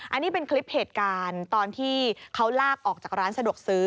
อันนี้เป็นคลิปเหตุการณ์ตอนที่เขาลากออกจากร้านสะดวกซื้อ